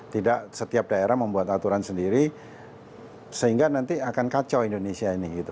tidak setiap daerah membuat aturan sendiri sehingga nanti akan kacau indonesia ini